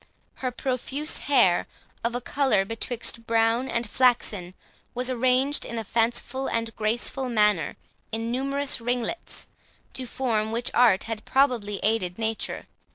Her profuse hair, of a colour betwixt brown and flaxen, was arranged in a fanciful and graceful manner in numerous ringlets, to form which art had probably aided nature.